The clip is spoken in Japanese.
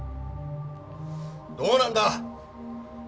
どうなんだ？